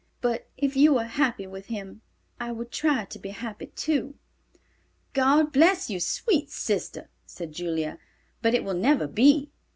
"But if you were happy with him, I would try to be happy, too." "God bless you, sweet sister," said Julia; "but it will never be."